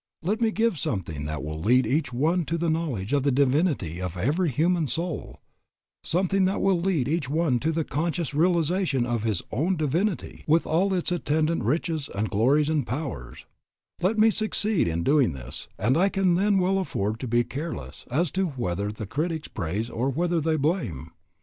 Let me give something that will lead each one to the knowledge of the divinity of every human soul, something that will lead each one to the conscious realization of his own divinity, with all its attendant riches, and glories, and powers, let me succeed in doing this, and I can then well afford to be careless as to whether the critics praise or whether they blame.